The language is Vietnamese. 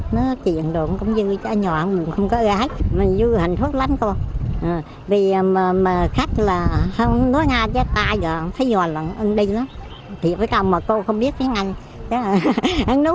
mình vui hạnh phúc lắm cô vì khách là không nói nghe chứ ta giờ thấy giờ là không đi lắm thì phải không mà cô không biết tiếng anh